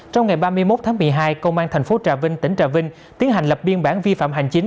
trong ngày ba mươi một tháng một mươi hai công an thành phố trà vinh tỉnh trà vinh tiến hành lập biên bản vi phạm hành chính